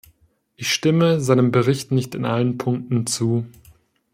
Ich stimme seinem Bericht nicht in allen Punkten zu.